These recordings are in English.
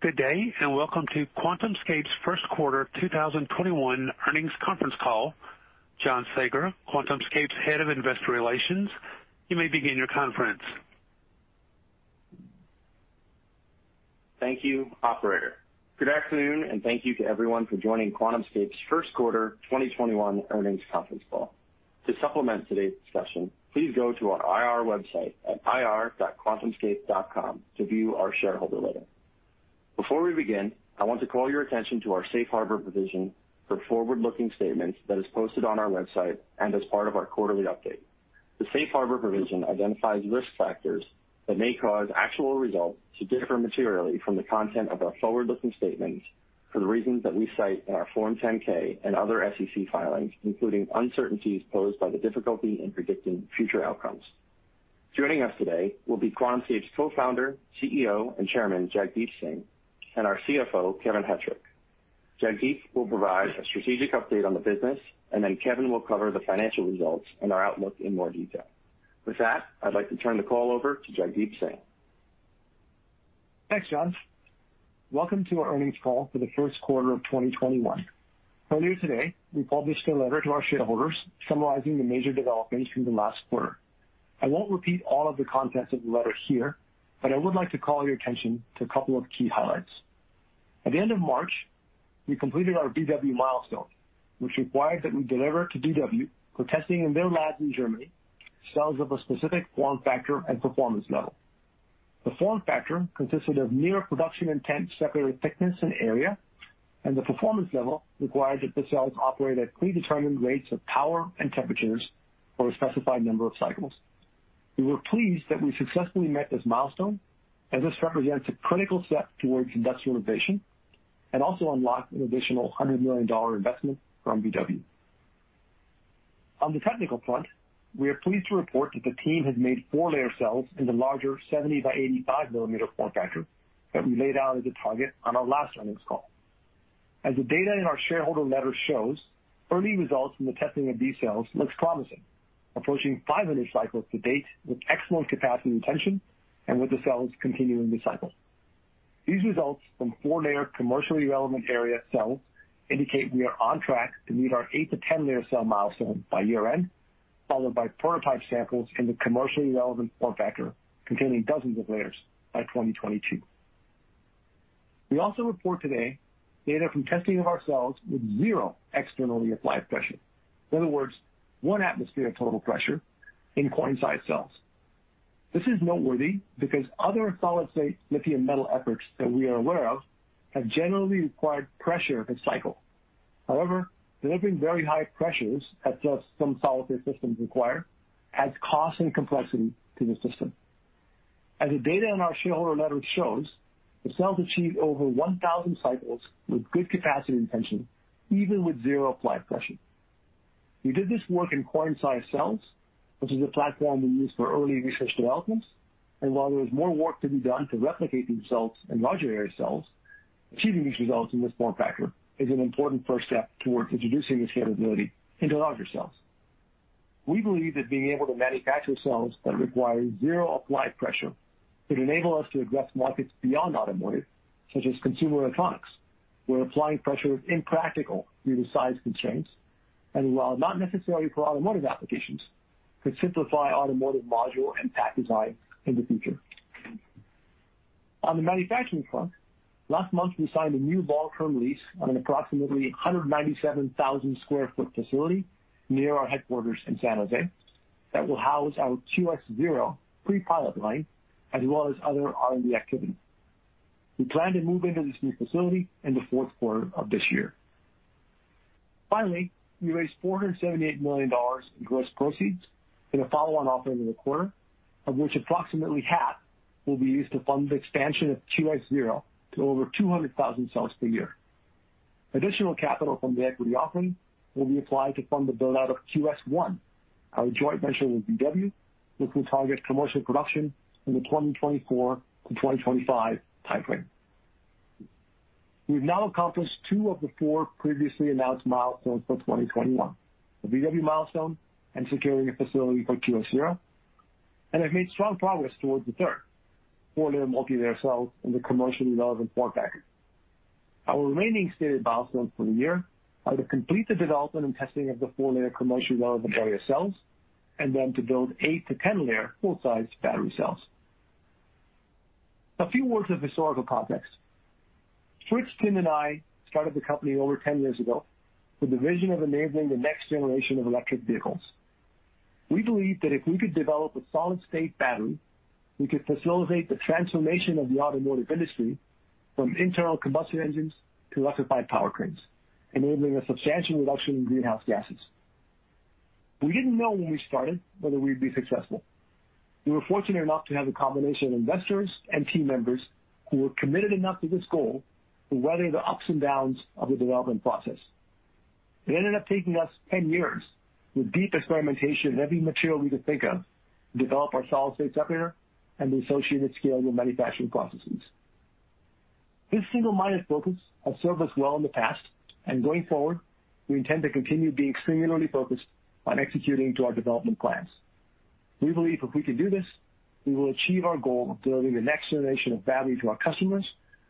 Good day, welcome to QuantumScape's First Quarter 2021 Earnings Conference Call. John Saager, QuantumScape's head of investor relations, you may begin your conference. Thank you, operator. Good afternoon, and thank you to everyone for joining QuantumScape's First Quarter 2021 Earnings Conference Call. To supplement today's discussion, please go to our IR website at ir.quantumscape.com to view our shareholder letter. Before we begin, I want to call your attention to our safe harbor provision for forward-looking statements that is posted on our website and as part of our quarterly update. The safe harbor provision identifies risk factors that may cause actual results to differ materially from the content of our forward-looking statements for the reasons that we cite in our Form 10-K and other SEC filings, including uncertainties posed by the difficulty in predicting future outcomes. Joining us today will be QuantumScape's Co-Founder, CEO, and Chairman, Jagdeep Singh, and our CFO, Kevin Hettrich. Jagdeep will provide a strategic update on the business, and then Kevin will cover the financial results and our outlook in more detail. With that, I'd like to turn the call over to Jagdeep Singh. Thanks, John. Welcome to our earnings call for the first quarter of 2021. Earlier today, we published a letter to our shareholders summarizing the major developments from the last quarter. I won't repeat all of the contents of the letter here, but I would like to call your attention to a couple of key highlights. At the end of March, we completed our VW milestone, which required that we deliver to VW for testing in their labs in Germany, cells of a specific form factor and performance level. The form factor consisted of near production intent, separator thickness, and area, and the performance level required that the cells operate at predetermined rates of power and temperatures for a specified number of cycles. We were pleased that we successfully met this milestone, as this represents a critical step towards industrialization and also unlocked an additional $100 million investment from VW. On the technical front, we are pleased to report that the team has made four-layer cells in the larger 70 by 85 millimeter form factor that we laid out as a target on our last earnings call. As the data in our shareholder letter shows, early results from the testing of these cells looks promising, approaching 500 cycles to date with excellent capacity retention and with the cells continuing to cycle. These results from four-layer commercially relevant area cells indicate we are on track to meet our eight to 10-layer cell milestone by year-end, followed by prototype samples in the commercially relevant form factor containing dozens of layers by 2022. We also report today data from testing of our cells with zero externally applied pressure. In other words, one atmosphere of total pressure in coin-sized cells. This is noteworthy because other solid-state lithium metal efforts that we are aware of have generally required pressure per cycle. However, delivering very high pressures as some solid-state systems require adds cost and complexity to the system. As the data in our shareholder letter shows, the cells achieve over 1,000 cycles with good capacity retention, even with zero applied pressure. We did this work in coin-sized cells, which is a platform we use for early research developments, and while there is more work to be done to replicate these cells in larger area cells, achieving these results in this form factor is an important first step towards introducing the scalability into larger cells. We believe that being able to manufacture cells that require zero applied pressure could enable us to address markets beyond automotive, such as consumer electronics, where applying pressure is impractical due to size constraints. While not necessary for automotive applications, could simplify automotive module and pack design in the future. On the manufacturing front, last month, we signed a new long-term lease on an approximately 197,000 square foot facility near our headquarters in San Jose that will house our QS-0 pre-pilot line, as well as other R&D activities. We plan to move into this new facility in the fourth quarter of this year. Finally, we raised $478 million in gross proceeds in a follow-on offering in the quarter, of which approximately half will be used to fund the expansion of QS-0 to over 200,000 cells per year. Additional capital from the equity offering will be applied to fund the build-out of QS-1, our joint venture with VW, which will target commercial production in the 2024 to 2025 timeframe. We've now accomplished two of the four previously announced milestones for 2021, the VW milestone and securing a facility for QS-0, and have made strong progress towards the third, four-layer multi-layer cells in the commercially relevant form factor. Our remaining stated milestones for the year are to complete the development and testing of the four-layer commercially relevant barrier cells, then to build 8 to 10-layer full-sized battery cells. A few words of historical context. Fritz, Tim, and I started the company over 10 years ago with the vision of enabling the next generation of electric vehicles. We believed that if we could develop a solid-state battery, we could facilitate the transformation of the automotive industry from internal combustion engines to electrified powertrains, enabling a substantial reduction in greenhouse gases. We didn't know when we started whether we'd be successful. We were fortunate enough to have a combination of investors and team members who were committed enough to this goal through weathering the ups and downs of the development process. It ended up taking us 10 years with deep experimentation of every material we could think of to develop our solid-state separator and the associated scale of manufacturing processes. This single-minded focus has served us well in the past, and going forward, we intend to continue being singularly focused on executing to our development plans. We believe if we can do this, we will achieve our goal of delivering the next generation of value to our customers,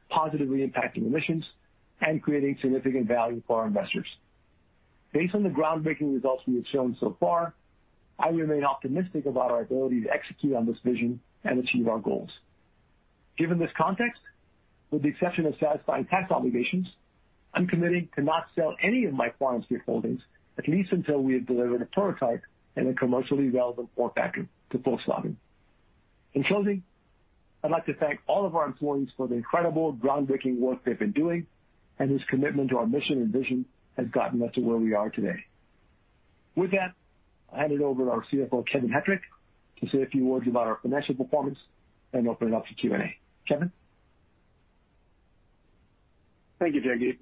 positively impacting emissions, and creating significant value for our investors. Based on the groundbreaking results we have shown so far, I remain optimistic about our ability to execute on this vision and achieve our goals. Given this context, with the exception of satisfying tax obligations, I'm committing to not sell any of my QuantumScape holdings, at least until we have delivered a prototype and a commercially relevant form factor to full volume. In closing, I'd like to thank all of our employees for the incredible groundbreaking work they've been doing, and this commitment to our mission and vision has gotten us to where we are today. With that, I'll hand it over to our CFO, Kevin Hettrich, to say a few words about our financial performance and open it up to Q&A. Kevin? Thank you, Jagdeep.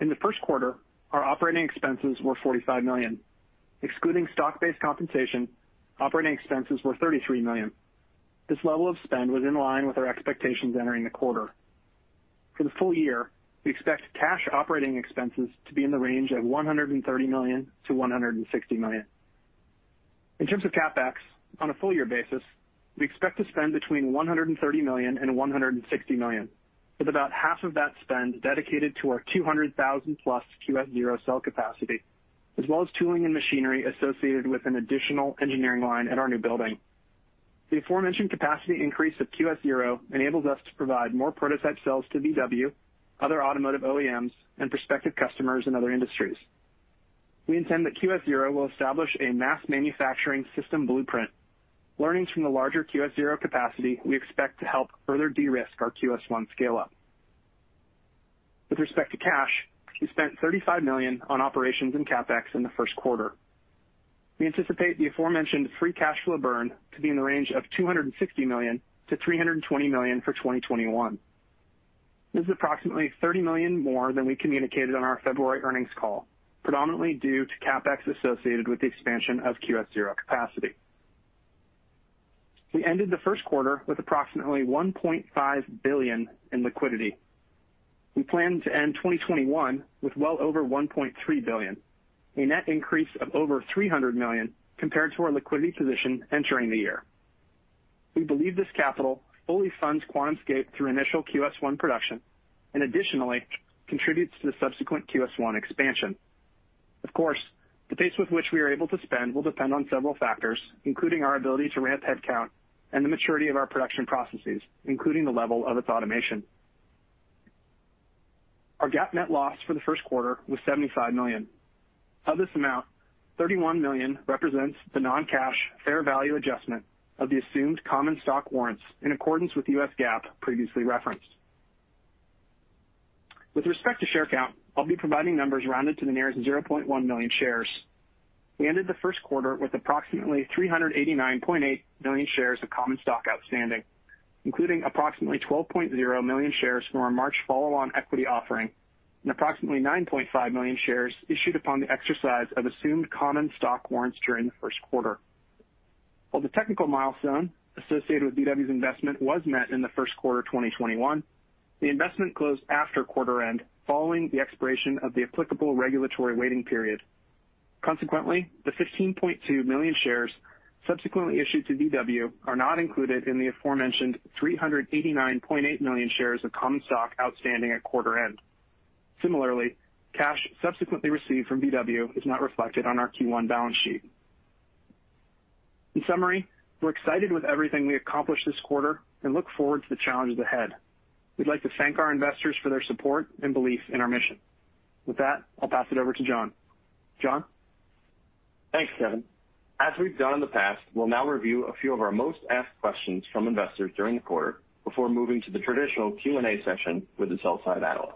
In the first quarter, our operating expenses were $45 million. Excluding stock-based compensation, operating expenses were $33 million. This level of spend was in line with our expectations entering the quarter. For the full-year, we expect cash operating expenses to be in the range of $130 million to $160 million. In terms of CapEx on a full-year basis, we expect to spend between $130 million and $160 million, with about half of that spend dedicated to our 200,000+ QS-0 cell capacity, as well as tooling and machinery associated with an additional engineering line at our new building. The aforementioned capacity increase of QS-0 enables us to provide more prototype cells to VW, other automotive OEMs, and prospective customers in other industries. We intend that QS-0 will establish a mass manufacturing system blueprint. Learnings from the larger QS-0 capacity we expect to help further de-risk our QS-1 scale-up. With respect to cash, we spent $35 million on operations and CapEx in the first quarter. We anticipate the aforementioned free cash flow burn to be in the range of $260 million to $320 million for 2021. This is approximately $30 million more than we communicated on our February earnings call, predominantly due to CapEx associated with the expansion of QS-0 capacity. We ended the first quarter with approximately $1.5 billion in liquidity. We plan to end 2021 with well over $1.3 billion, a net increase of over $300 million compared to our liquidity position entering the year. We believe this capital fully funds QuantumScape through initial QS-1 production, and additionally contributes to the subsequent QS-1 expansion. Of course, the pace with which we are able to spend will depend on several factors, including our ability to ramp headcount and the maturity of our production processes, including the level of its automation. Our GAAP net loss for the first quarter was $75 million. Of this amount, $31 million represents the non-cash fair value adjustment of the assumed common stock warrants in accordance with US GAAP previously referenced. With respect to share count, I'll be providing numbers rounded to the nearest 0.1 million shares. We ended the first quarter with approximately 389.8 million shares of common stock outstanding, including approximately 12.0 million shares from our March follow-on equity offering and approximately 9.5 million shares issued upon the exercise of assumed common stock warrants during the first quarter. While the technical milestone associated with VW's investment was met in the first quarter 2021, the investment closed after quarter end, following the expiration of the applicable regulatory waiting period. Consequently, the 15.2 million shares subsequently issued to VW are not included in the aforementioned 389.8 million shares of common stock outstanding at quarter end. Similarly, cash subsequently received from VW is not reflected on our Q1 balance sheet. In summary, we're excited with everything we accomplished this quarter and look forward to the challenges ahead. We'd like to thank our investors for their support and belief in our mission. With that, I'll pass it over to John. John? Thanks, Kevin. As we've done in the past, we'll now review a few of our most asked questions from investors during the quarter before moving to the traditional Q&A session with the sell-side analysts.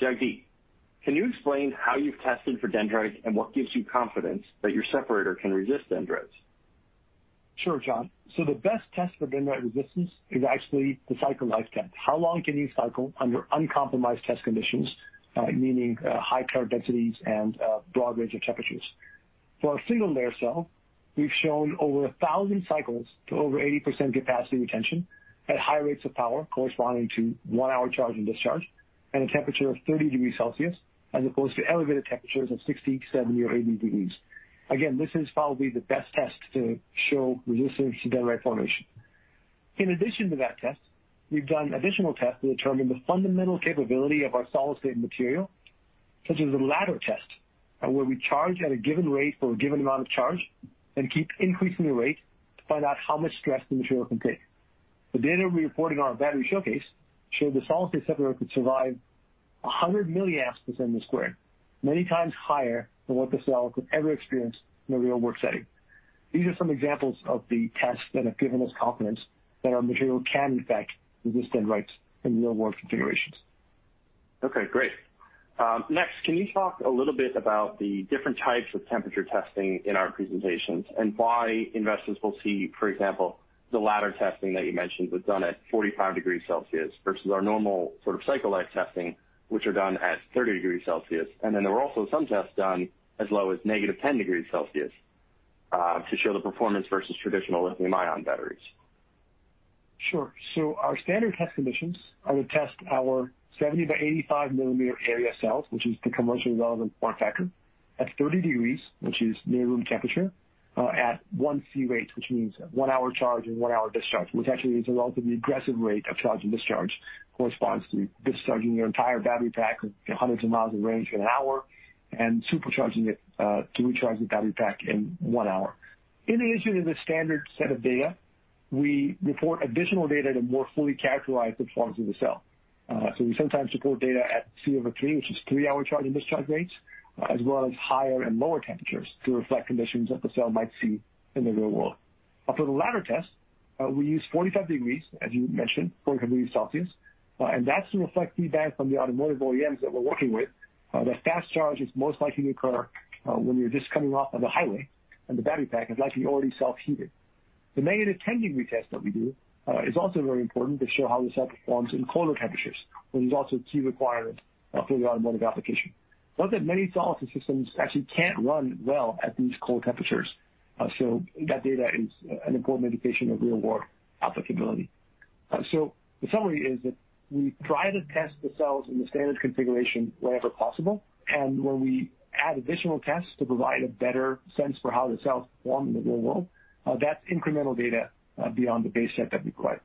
Jagdeep, can you explain how you've tested for dendrites, and what gives you confidence that your separator can resist dendrites? Sure, John. The best test for dendrite resistance is actually the cycle life test. How long can you cycle under uncompromised test conditions? Meaning, high current densities and a broad range of temperatures. For our single-layer cell, we've shown over 1,000 cycles to over 80% capacity retention at high rates of power corresponding to 1-hour charge and discharge, at a temperature of 30 degrees Celsius, as opposed to elevated temperatures of 60, 70, or 80 degrees. Again, this is probably the best test to show resistance to dendrite formation. In addition to that test, we've done additional tests to determine the fundamental capability of our solid-state material, such as a ladder test, where we charge at a given rate for a given amount of charge and keep increasing the rate to find out how much stress the material can take. The data we reported on our battery showcase showed the solid-state separator could survive 100 milliamps per centimeter squared, many times higher than what the cell could ever experience in a real-world setting. These are some examples of the tests that have given us confidence that our material can, in fact, resist dendrites in real-world configurations. Okay, great. Can you talk a little bit about the different types of temperature testing in our presentations and why investors will see, for example, the ladder testing that you mentioned was done at 45 degrees Celsius versus our normal sort of cycle life testing, which are done at 30 degrees Celsius. There were also some tests done as low as negative 10 degrees Celsius to show the performance versus traditional lithium-ion batteries. Sure. Our standard test conditions are we test our 70 by 85 millimeter area cells, which is the commercially relevant form factor, at 30 degrees, which is near room temperature, at 1C rate, which means one hour charge and one hour discharge, which actually is a relatively aggressive rate of charge and discharge, corresponds to discharging your entire battery pack of hundreds of miles of range in one hour and supercharging it to recharge the battery pack in one hour. In addition to this standard set of data, we report additional data to more fully characterize the performance of the cell. We sometimes report data at C over three, which is three hour charge and discharge rates, as well as higher and lower temperatures to reflect conditions that the cell might see in the real world. For the ladder test, we use 45 degrees, as you mentioned, 45 degrees Celsius, and that's to reflect feedback from the automotive OEMs that we're working with, that fast charge is most likely to occur when you're just coming off of a highway and the battery pack is likely already self-heated. The negative 10 degree test that we do is also very important to show how the cell performs in colder temperatures, which is also a key requirement for the automotive application. It's known that many solid-state systems actually can't run well at these cold temperatures. That data is an important indication of real-world applicability. The summary is that we try to test the cells in the standard configuration wherever possible, and where we add additional tests to provide a better sense for how the cells perform in the real world, that's incremental data beyond the base set that we collect.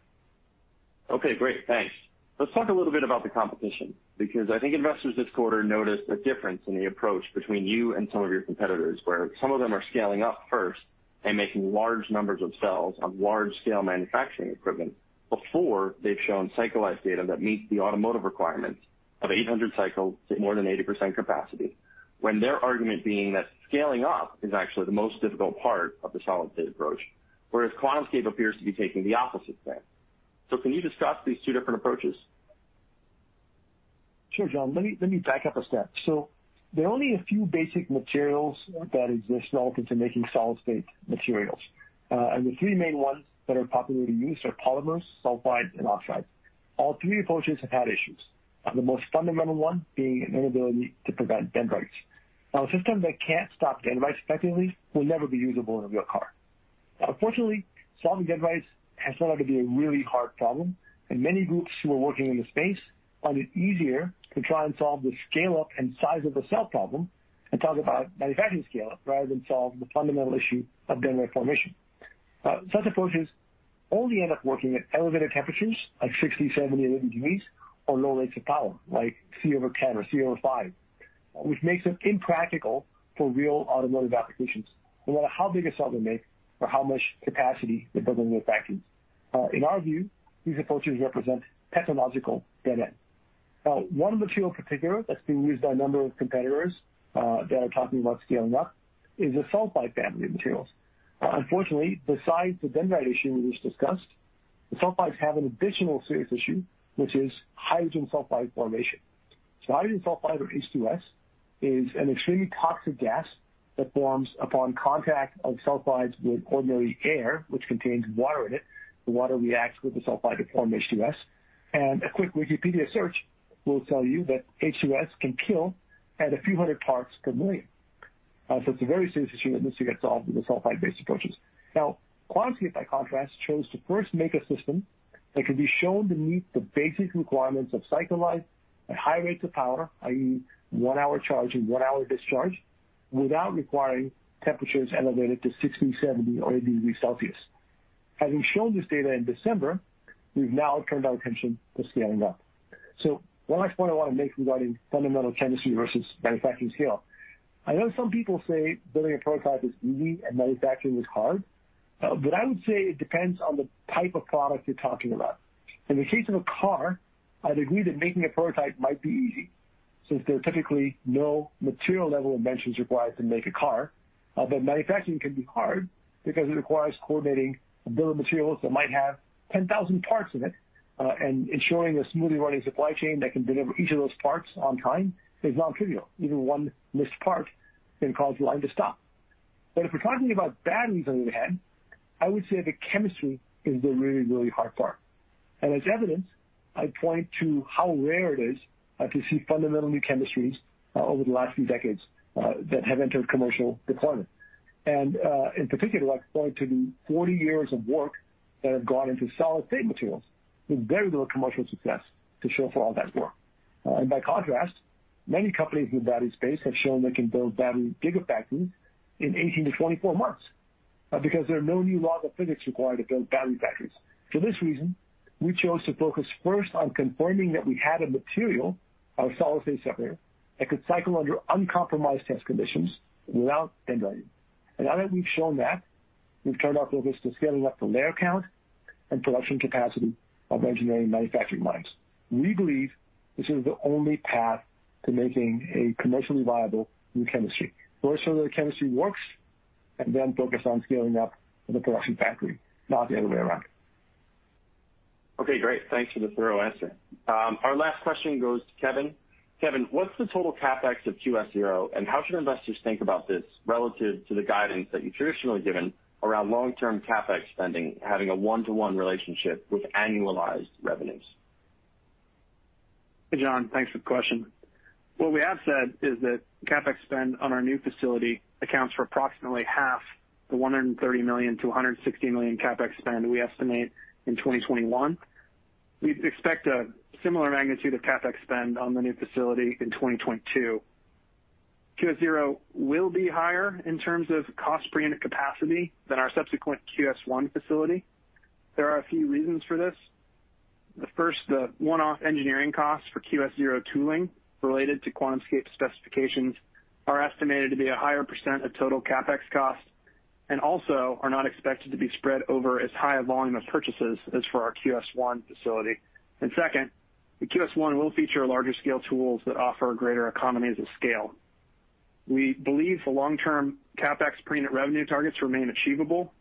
Okay, great. Thanks. Let's talk a little bit about the competition, because I think investors this quarter noticed a difference in the approach between you and some of your competitors, where some of them are scaling up first and making large numbers of cells on large-scale manufacturing equipment before they've shown cycle life data that meets the automotive requirements of 800 cycles at more than 80% capacity. When their argument being that scaling up is actually the most difficult part of the solid-state approach, whereas QuantumScape appears to be taking the opposite plan. Can you discuss these two different approaches? Sure, John, let me back up a step. There are only a few basic materials that exist relative to making solid-state materials. The three main ones that are popularly used are polymers, sulfides, and oxides. All three approaches have had issues, the most fundamental one being an inability to prevent dendrites. Now, a system that can't stop dendrites effectively will never be usable in a real car. Unfortunately, solving dendrites has turned out to be a really hard problem, and many groups who are working in the space find it easier to try and solve the scale-up and size of the cell problem and talk about manufacturing scale-up rather than solve the fundamental issue of dendrite formation. Such approaches only end up working at elevated temperatures, like 60, 70 or 80 degrees, or low rates of power, like C over 10 or C over five, which makes it impractical for real automotive applications, no matter how big a cell they make or how much capacity they build in their factories. In our view, these approaches represent technological dead-end. One material in particular that's being used by a number of competitors that are talking about scaling up is the sulfide family of materials. Unfortunately, besides the dendrite issue we just discussed, the sulfides have an additional serious issue, which is hydrogen sulfide formation. Hydrogen sulfide, or H2S, is an extremely toxic gas that forms upon contact of sulfides with ordinary air, which contains water in it. A quick Wikipedia search will tell you that H2S can kill at a few hundred parts per million. It's a very serious issue that needs to get solved with the sulfide-based approaches. QuantumScape, by contrast, chose to first make a system that could be shown to meet the basic requirements of cycle life at high rates of power, i.e., one-hour charge and one-hour discharge, without requiring temperatures elevated to 60, 70, or 80 degrees Celsius. Having shown this data in December, we've now turned our attention to scaling up. One last point I want to make regarding fundamental chemistry versus manufacturing scale. I know some people say building a prototype is easy and manufacturing is hard. I would say it depends on the type of product you're talking about. In the case of a car, I'd agree that making a prototype might be easy, since there are typically no material level inventions required to make a car. Manufacturing can be hard because it requires coordinating a bill of materials that might have 10,000 parts in it, and ensuring a smoothly running supply chain that can deliver each of those parts on time is non-trivial. Even one missed part can cause the line to stop. If we're talking about batteries, on the other hand, I would say the chemistry is the really, really hard part. As evidence, I point to how rare it is to see fundamentally new chemistries over the last few decades that have entered commercial deployment. In particular, I point to the 40 years of work that have gone into solid-state materials with very little commercial success to show for all that work. By contrast, many companies in the battery space have shown they can build battery gigafactories in 18 to 24 months because there are no new laws of physics required to build battery factories. For this reason, we chose to focus first on confirming that we had a material, our solid-state separator, that could cycle under uncompromised test conditions without dendrite. Now that we've shown that, we've turned our focus to scaling up the layer count and production capacity of engineering and manufacturing lines. We believe this is the only path to making a commercially viable new chemistry. First show that the chemistry works, and then focus on scaling up the production factory, not the other way around. Okay, great. Thanks for the thorough answer. Our last question goes to Kevin. Kevin, what's the total CapEx of QS-0, and how should investors think about this relative to the guidance that you've traditionally given around long-term CapEx spending having a one-to-one relationship with annualized revenues? Hey, John. Thanks for the question. What we have said is that CapEx spend on our new facility accounts for approximately half the $130 million to $160 million CapEx spend we estimate in 2021. We expect a similar magnitude of CapEx spend on the new facility in 2022. QS-0 will be higher in terms of cost per unit capacity than our subsequent QS-1 facility. There are a few reasons for this. The first, the one-off engineering costs for QS-0 tooling related to QuantumScape specifications are estimated to be a higher % of total CapEx costs, and also are not expected to be spread over as high a volume of purchases as for our QS-1 facility. Second, the QS-1 will feature larger scale tools that offer greater economies of scale. We believe the long-term CapEx per unit revenue targets remain achievable.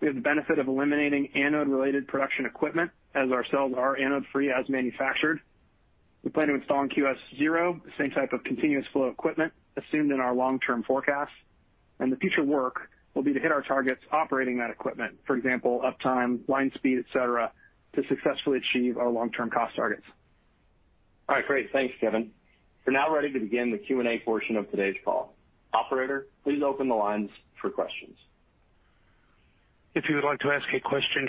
We have the benefit of eliminating anode-related production equipment as our cells are anode-free as manufactured. We plan to install in QS-0 the same type of continuous flow equipment assumed in our long-term forecast, and the future work will be to hit our targets operating that equipment. For example, uptime, line speed, et cetera, to successfully achieve our long-term cost targets. All right, great. Thanks, Kevin. We're now ready to begin the Q&A portion of today's call. Operator, please open the lines for questions. Your first question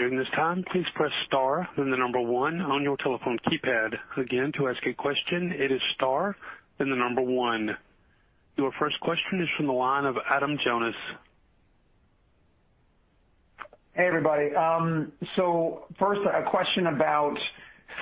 is from the line of Adam Jonas. Hey, everybody. First, a question about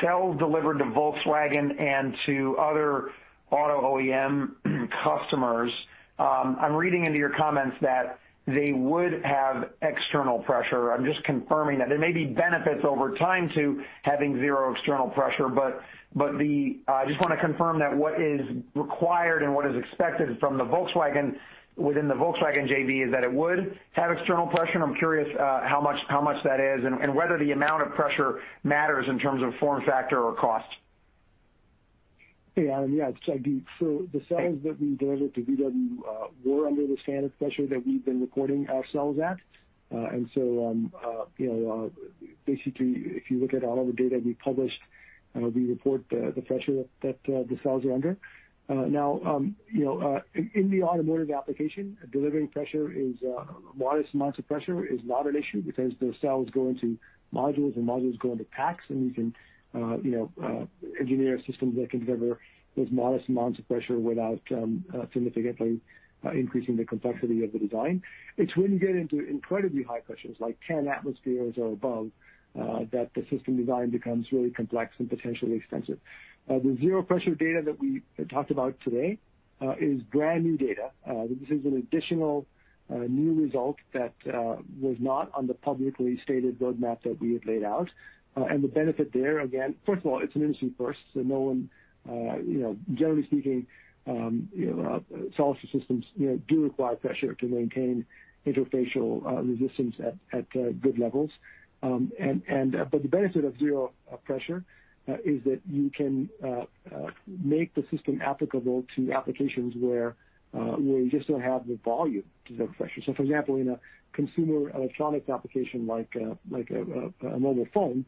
cells delivered to Volkswagen and to other auto OEM customers. I'm reading into your comments that they would have external pressure. I'm just confirming that. There may be benefits over time to having zero external pressure, but I just want to confirm that what is required and what is expected from within the Volkswagen JV is that it would have external pressure, and I'm curious how much that is and whether the amount of pressure matters in terms of form factor or cost. Hey, Adam. Yeah, Jagdeep. The cells that we delivered to VW were under the standard pressure that we've been recording our cells at. Basically, if you look at all of the data we published, we report the pressure that the cells are under. Now, in the automotive application, delivering modest amounts of pressure is not an issue because those cells go into modules, and modules go into packs. You can engineer systems that can deliver those modest amounts of pressure without significantly increasing the complexity of the design. It's when you get into incredibly high pressures, like 10 atmospheres or above, that the system design becomes really complex and potentially expensive. The zero pressure data that we talked about today is brand-new data. This is an additional new result that was not on the publicly stated roadmap that we had laid out. The benefit there, again, first of all, it's an industry first. Generally speaking, solid-state systems do require pressure to maintain interfacial resistance at good levels. The benefit of zero pressure is that you can make the system applicable to applications where you just don't have the volume to deliver pressure. For example, in a consumer electronics application like a mobile phone,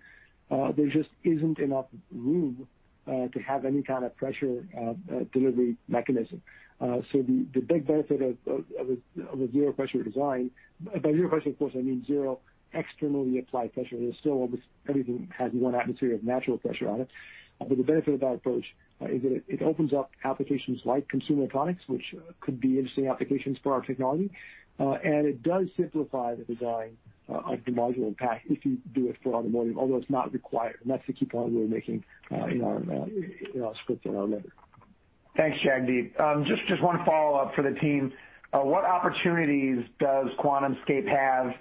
there just isn't enough room to have any kind of pressure delivery mechanism. The big benefit of a zero pressure design, by zero pressure, of course, I mean zero externally applied pressure. Everything has one atmosphere of natural pressure on it. The benefit of that approach is that it opens up applications like consumer products, which could be interesting applications for our technology. It does simplify the design of the module and pack if you do it for automotive, although it's not required. That's the key point we were making in our script and our memo. Thanks, Jagdeep. Just one follow-up for the team. What opportunities does QuantumScape have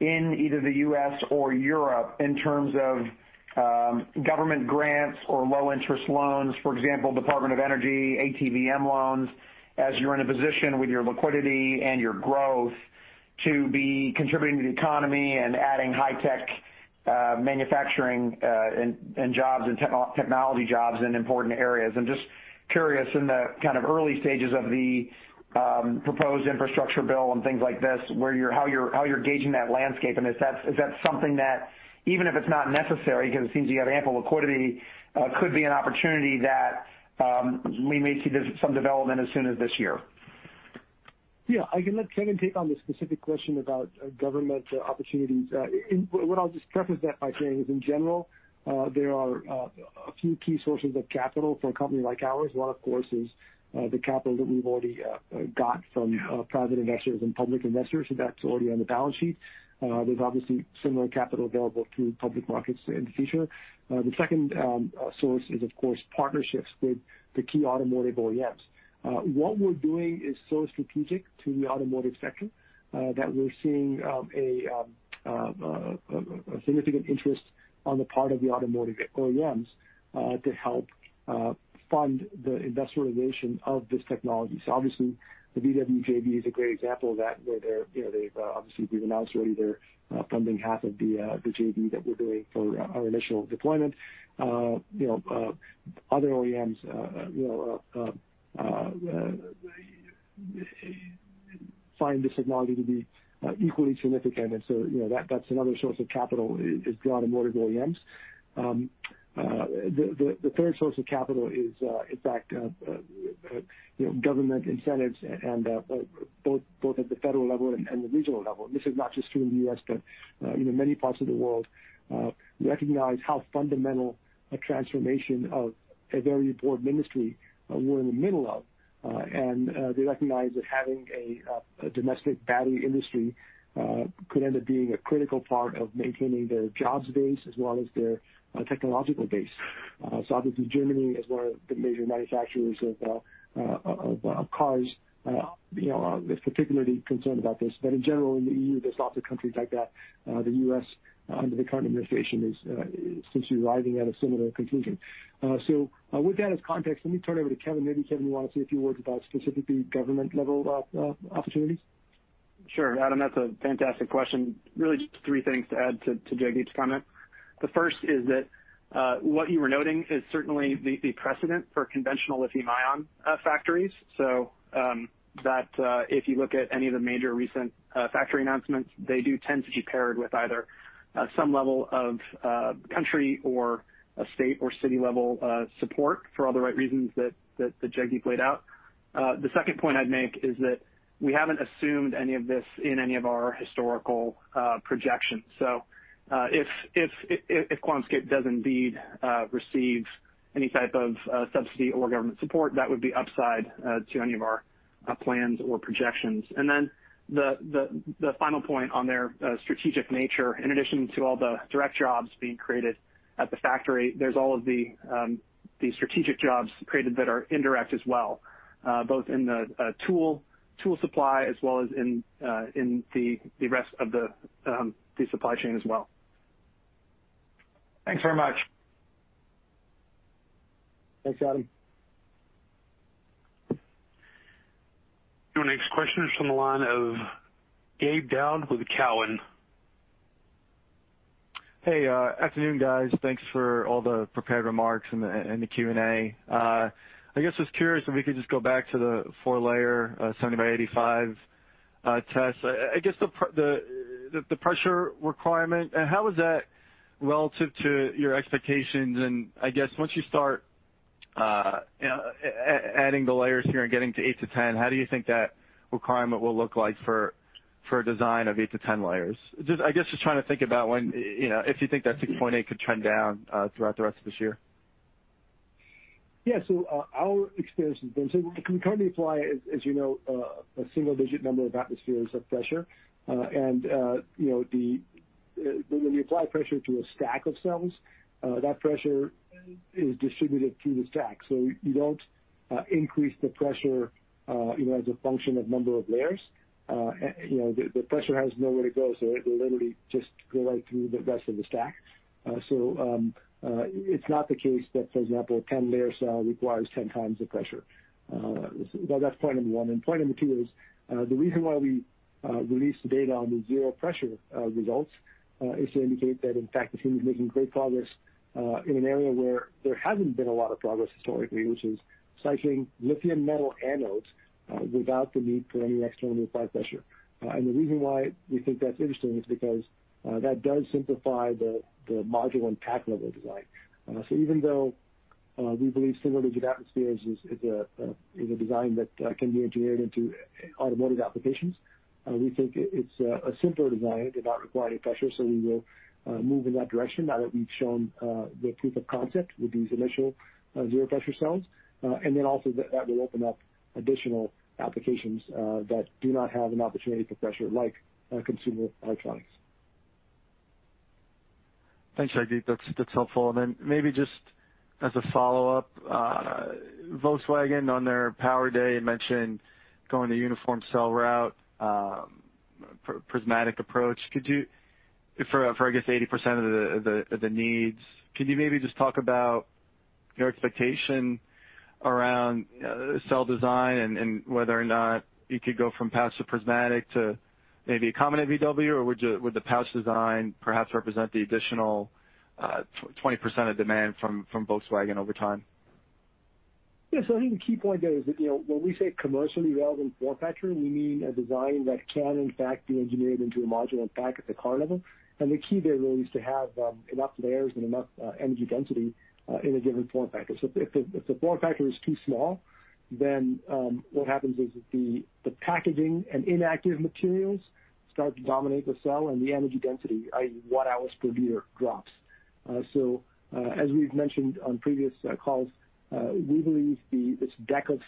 in either the U.S. or Europe in terms of government grants or low-interest loans? For example, Department of Energy, ATVM loans, as you're in a position with your liquidity and your growth to be contributing to the economy and adding high-tech manufacturing and technology jobs in important areas. I'm just curious, in the kind of early stages of the proposed infrastructure bill and things like this, how you're gauging that landscape, and is that something that, even if it's not necessary, because it seems you have ample liquidity, could be an opportunity that we may see some development as soon as this year? Yeah. I can let Kevin take on the specific question about government opportunities. What I'll just preface that by saying is in general, there are a few key sources of capital for a company like ours. One, of course, is the capital that we've already got from private investors and public investors, so that's already on the balance sheet. There's obviously similar capital available through public markets in the future. The second source is, of course, partnerships with the key automotive OEMs. What we're doing is so strategic to the automotive sector that we're seeing a significant interest on the part of the automotive OEMs to help fund the industrialization of this technology. Obviously, the VW JV is a great example of that, where they've obviously announced already they're funding half of the JV that we're doing for our initial deployment. Other OEMs find the technology to be equally significant. That's another source of capital is. [inaudible] The third source of capital is, in fact, government incentives both at the federal level and the regional level. This is not just true in the U.S., but many parts of the world recognize how fundamental a transformation of a very important industry we're in the middle of. They recognize that having a domestic battery industry could end up being a critical part of maintaining their jobs base as well as their technological base. Germany is one of the major manufacturers of cars, they're particularly concerned about this. In general, in the EU, there's lots of countries like that. The U.S. under the current administration is since arriving at a similar conclusion. With that as context, let me turn it over to Kevin. Maybe Kevin, you want to say a few words about specifically government-level opportunities? Sure. Adam, that's a fantastic question. Really just three things to add to Jagdeep's comment. First is that, what you were noting is certainly the precedent for conventional lithium-ion factories. That if you look at any of the major recent factory announcements, they do tend to be paired with either some level of country or a state or city-level support for all the right reasons that Jagdeep laid out. Second point I'd make is that we haven't assumed any of this in any of our historical projections. If QuantumScape does indeed receive any type of subsidy or government support, that would be upside to any of our plans or projections. The final point on their strategic nature, in addition to all the direct jobs being created at the factory, there's all of the strategic jobs created that are indirect as well, both in the tool supply as well as in the rest of the supply chain as well. Thanks very much. Thanks, Adam. Your next question is from the line of Gabe Daoud with Cowen. Hey, afternoon, guys. Thanks for all the prepared remarks and the Q&A. I guess just curious if we could just go back to the four-layer 70 by 85 test. I guess the pressure requirement, how is that relative to your expectations? I guess once you start adding the layers here and getting to eight to 10, how do you think that requirement will look like for design of eight to 10 layers? I guess just trying to think about when if you think that 6 to 8 could trend down throughout the rest of this year. Yeah. Our experience has been, we currently apply, as you know, a single-digit number of atmospheres of pressure. When you apply pressure to a stack of cells, that pressure is distributed through the stack. You don't increase the pressure as a function of number of layers. The pressure has nowhere to go, so it will literally just go right through the rest of the stack. It's not the case that, for example, a 10-layer cell requires 10x the pressure. Well, that's point number one. Point number two is, the reason why we released the data on the zero pressure results, is to indicate that, in fact, it seems we're making great progress, in an area where there hasn't been a lot of progress historically, which is cycling lithium metal anodes without the need for any external applied pressure. The reason why we think that's interesting is because that does simplify the module and pack level design. Even though we believe single-digit atmospheres is a design that can be engineered into automotive applications, we think it's a simpler design, it did not require any pressure, so we will move in that direction now that we've shown the proof of concept with these initial zero pressure cells. Also that will open up additional applications that do not have an opportunity for pressure like consumer electronics. Thanks, Jagdeep. That's helpful. Maybe just as a follow-up, Volkswagen on their power day mentioned going the uniform cell route, prismatic approach. For, I guess 80% of the needs, can you maybe just talk about your expectation around cell design and whether or not you could go from pouch to prismatic to maybe a common VW? Would the pouch design perhaps represent the additional 20% of demand from Volkswagen over time? Yeah. I think the key point there is that when we say commercially relevant form factor, we mean a design that can in fact be engineered into a module and pack at the car level. The key there really is to have enough layers and enough energy density in a given form factor. If the form factor is too small, then what happens is the packaging and inactive materials start to dominate the cell and the energy density, i.e., Wh/L drops. As we've mentioned on previous calls, we believe this deck of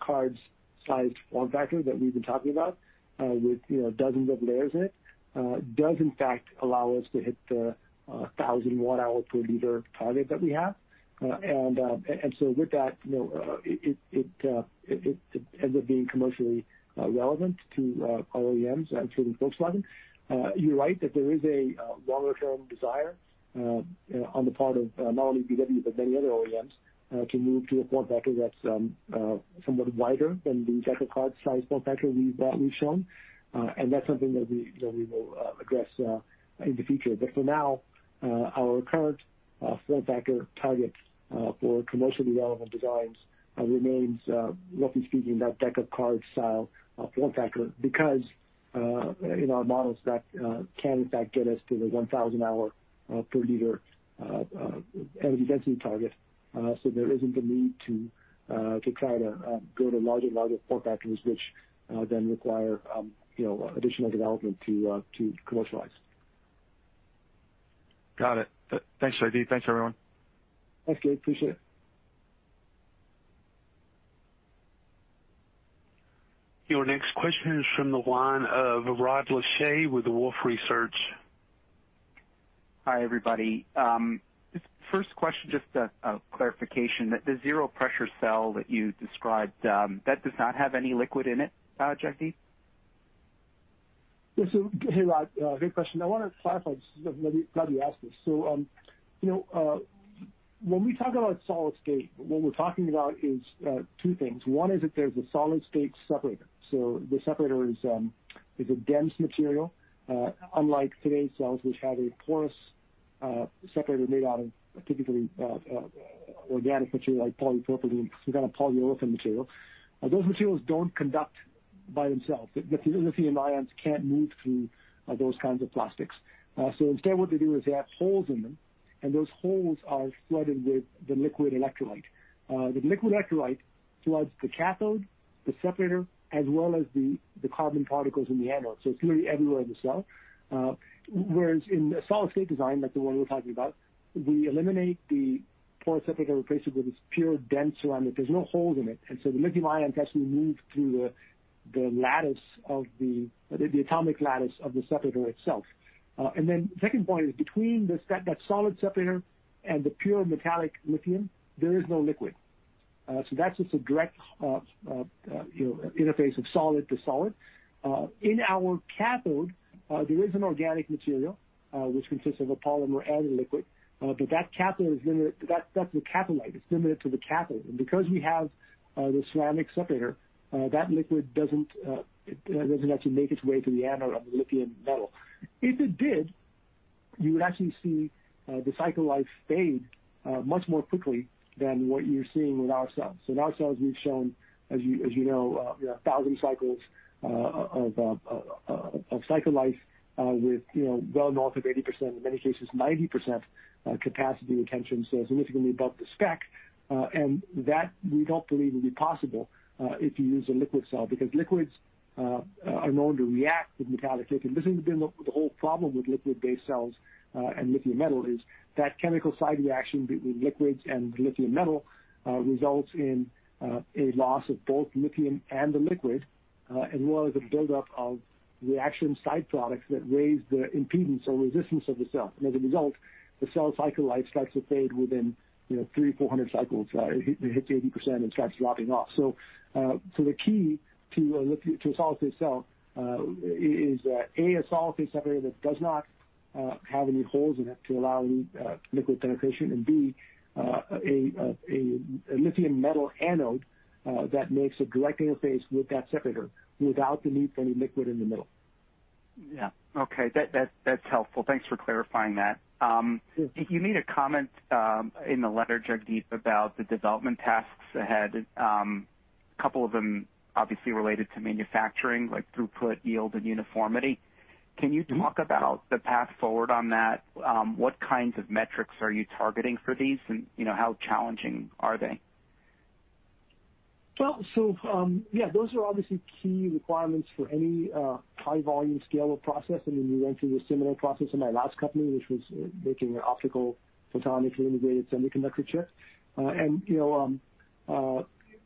cards sized form factor that we've been talking about, with dozens of layers in it, does in fact allow us to hit the 1,000 Wh/L target that we have. With that it ends up being commercially relevant to OEMs and certainly Volkswagen. You're right that there is a longer-term desire on the part of not only VW, but many other OEMs, to move to a form factor that's somewhat wider than the deck of card size form factor that we've shown. That's something that we will address in the future. For now, our current form factor target for commercial development designs remains, roughly speaking, that deck of cards style form factor, because in our models that can in fact get us to the 1,000-hour per liter energy density target. There isn't the need to try to go to larger form factors, which then require additional development to commercialize. Got it. Thanks, Jagdeep. Thanks, everyone. Thanks, Gabe. Appreciate it. Your next question is from the line of Rod Lache with Wolfe Research. Hi, everybody. Just first question, just a clarification. The zero pressure cell that you described, that does not have any liquid in it, Jagdeep? Yeah. Hey, Rod. Great question. I want to clarify, glad you asked this. When we talk about solid state, what we're talking about is two things. One is that there's a solid state separator. The separator is a dense material, unlike today's cells which have a porous separator made out of typically organic material like polypropylene, some kind of polyolefin material. Those materials don't conduct by themselves. The lithium ions can't move through those kinds of plastics. Instead, what they do is they have holes in them, and those holes are flooded with the liquid electrolyte. The liquid electrolyte floods the cathode, the separator, as well as the carbon particles in the anode. It's literally everywhere in the cell. Whereas in a solid state design like the one we're talking about, we eliminate the porous separator, replace it with this pure dense ceramic. There's no holes in it. The lithium ion can actually move through the atomic lattice of the separator itself. Second point is between that solid separator and the pure metallic lithium, there is no liquid. That's just a direct interface of solid to solid. In our cathode, there is an organic material, which consists of a polymer and a liquid. That catholyte is limited to the cathode. Because we have the ceramic separator, that liquid doesn't actually make its way to the anode of the lithium metal. If it did, you would actually see the cycle life fade much more quickly than what you're seeing with our cells. In our cells, we've shown, as you know, 1,000 cycles of cycle life with well north of 80%, in many cases, 90% capacity retention, so significantly above the spec. That we don't believe would be possible if you use a liquid cell because liquids are known to react with metallic lithium. This has been the whole problem with liquid-based cells and lithium metal is that chemical side reaction between liquids and lithium metal results in a loss of both lithium and the liquid, as well as a buildup of reaction side products that raise the impedance or resistance of the cell. As a result, the cell cycle life starts to fade within 300-400 cycles. It hits 80% and starts dropping off. The key to a solid state cell is A, a solid state separator that does not have any holes in it to allow any liquid penetration, and B, a lithium metal anode that makes a direct interface with that separator without the need for any liquid in the middle. Yeah. Okay. That's helpful. Thanks for clarifying that. Sure. You made a comment in the letter, Jagdeep, about the development tasks ahead. A couple of them obviously related to manufacturing, like throughput, yield, and uniformity. Can you talk about the path forward on that? What kinds of metrics are you targeting for these, and how challenging are they? Those are obviously key requirements for any high volume scale of process. We went through a similar process in my last company, which was making optical photonically integrated semiconductor chips.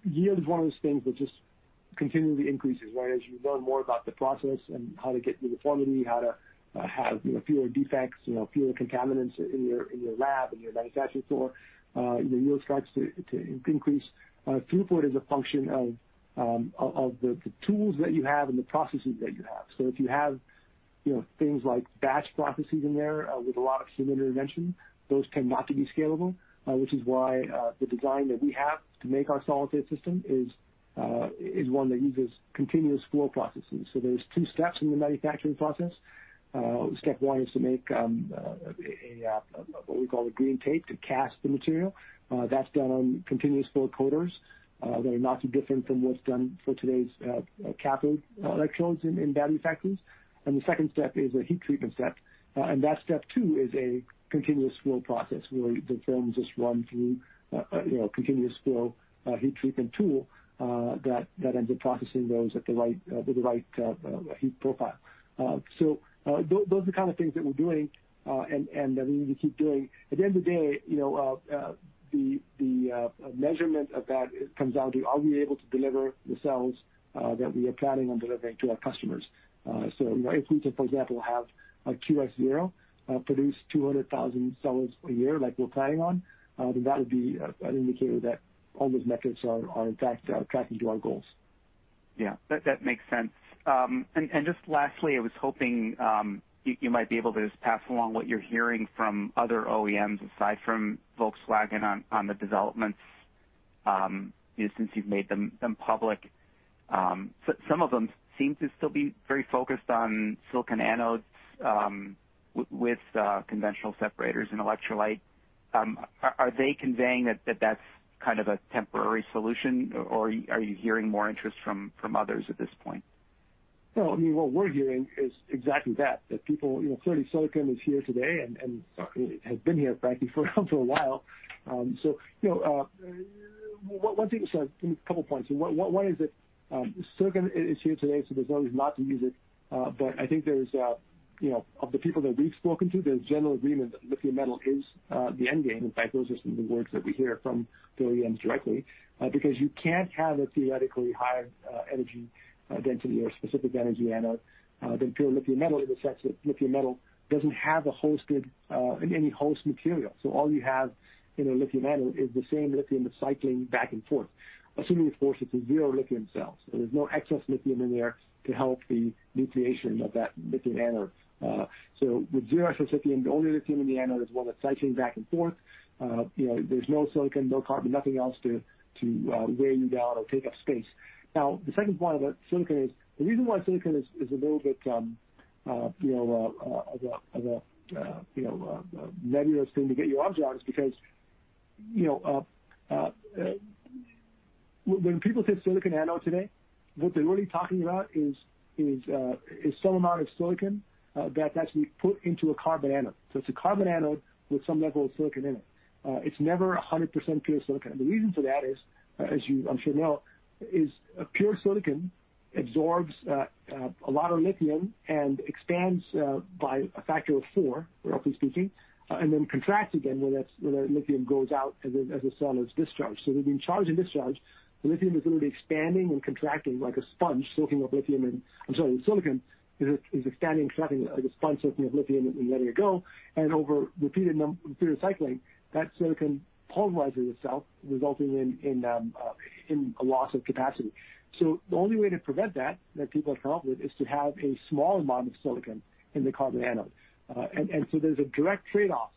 Yield is one of those things that just continually increases, right? As you learn more about the process and how to get uniformity, how to have fewer defects, fewer contaminants in your lab, in your manufacturing floor, your yield starts to increase. Throughput is a function of the tools that you have and the processes that you have. If you have things like batch processes in there with a lot of human intervention, those tend not to be scalable. Which is why the design that we have to make our solid state system is one that uses continuous flow processes. There's two steps in the manufacturing process. Step one is to make what we call a green tape to cast the material. That's done on continuous flow coaters. They're not too different from what's done for today's cathode electrodes in battery factories. The second step is a heat treatment step. That step two is a continuous flow process where the films just run through a continuous flow heat treatment tool that ends up processing those with the right heat profile. Those are the kind of things that we're doing, and that we need to keep doing. At the end of the day, the measurement of that comes down to are we able to deliver the cells that we are planning on delivering to our customers? If we could, for example, have QS-0 produce 200,000 cells per year like we're planning on, then that would be an indicator that all those metrics are in fact tracking to our goals. Yeah. That makes sense. Just lastly, I was hoping you might be able to just pass along what you're hearing from other OEMs aside from Volkswagen on the development since you've made them public. Some of them seem to still be very focused on silicon anodes with conventional separators and electrolyte. Are they conveying that that's kind of a temporary solution, or are you hearing more interest from others at this point? No, I mean, what we're hearing is exactly that. Clearly silicon is here today and has been here, frankly, for a while. One thing, so couple points. One is that silicon is here today, so there's always an option to use it. But I think there's, of the people that we've spoken to, there's general agreement that lithium metal is the end game. In fact, those are some of the words that we hear from the OEMs directly. Because you can't have a theoretically higher energy density or specific energy anode than pure lithium metal, in the sense that lithium metal doesn't have any host material. All you have in a lithium metal is the same lithium cycling back and forth, assuming of course, it's a zero lithium cell. There's no excess lithium in there to help the nucleation of that lithium anode. With zero excess lithium, the only lithium in the anode is the one that's cycling back and forth. There's no silicon, no carbon, nothing else to weigh you down or take up space. The second point about silicon is, the reason why silicon is a little bit of a nebulous thing to get your arms around is because when people say silicon anode today, what they're really talking about is some amount of silicon that's actually put into a carbon anode. It's a carbon anode with some level of silicon in it. It's never 100% pure silicon. The reason for that is, as you I'm sure know, is pure silicon absorbs a lot of lithium and expands by a factor of four, roughly speaking, and then contracts again when that lithium goes out as a cell is discharged. Between charge and discharge, the silicon is literally expanding and contracting like a sponge, soaking up lithium and letting it go. Over repeated cycling, that silicon polymerizes itself, resulting in a loss of capacity. The only way to prevent that people have come up with, is to have a small amount of silicon in the carbon anode. There's a direct trade-off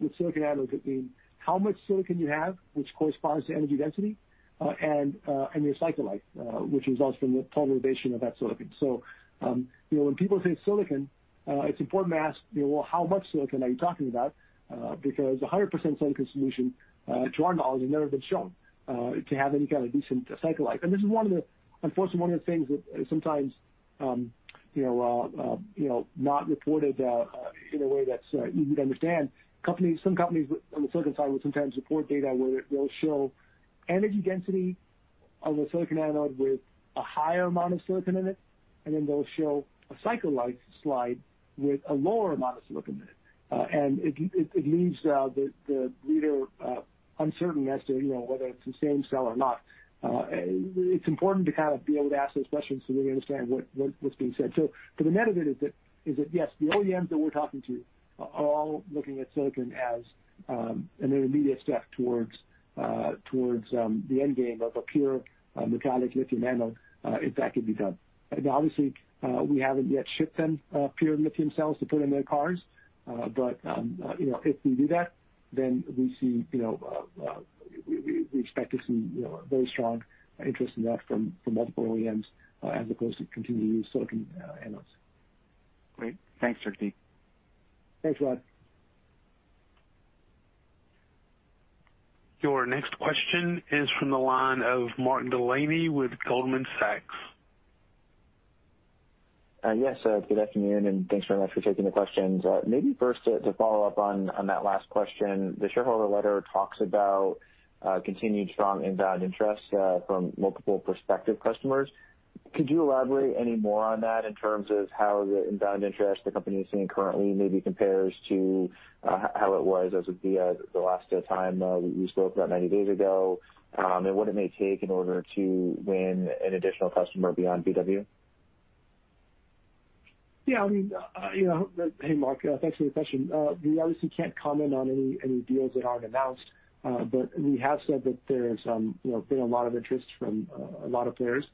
with silicon anodes between how much silicon you have, which corresponds to energy density, and your cycle life, which results from the polymerization of that silicon. When people say silicon, it's important to ask, well, how much silicon are you talking about? 100% silicon solution, to our knowledge, has never been shown to have any kind of decent cycle life. This is unfortunately one of the things that is sometimes not reported in a way that's easy to understand. Some companies on the silicon side will sometimes report data where they'll show energy density of a silicon anode with a higher amount of silicon in it, and then they'll show a cycle life slide with a lower amount of silicon in it. It leaves the reader uncertain as to whether it's the same cell or not. It's important to be able to ask those questions so that you understand what's being said. The net of it is that, yes, the OEMs that we're talking to are all looking at silicon as an intermediate step towards the end game of a pure metallic lithium anode, if that can be done. Obviously, we haven't yet shipped them pure lithium cells to put in their cars. If we do that, then we expect to see very strong interest in that from multiple OEMs as opposed to continued silicon anodes. Great. Thanks, Jagdeep. Thanks, Rod. Your next question is from the line of Mark Delaney with Goldman Sachs. Yes. Good afternoon, and thanks very much for taking the questions. Maybe first to follow up on that last question. The shareholder letter talks about continued strong inbound interest from multiple prospective customers. Could you elaborate any more on that in terms of how the inbound interest the company is seeing currently maybe compares to how it was as of the last time we spoke about 90 days ago? What it may take in order to win an additional customer beyond VW? Yeah. Hey, Mark Delaney. Thanks for the question. We obviously can't comment on any deals that aren't announced. We have said that there's been a lot of interest from a lot of players.